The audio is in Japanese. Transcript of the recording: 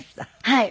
はい。